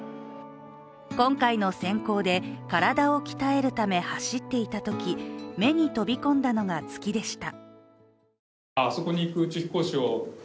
今回の選考で体を鍛えるため走っていたとき目に飛び込んだのが月でした。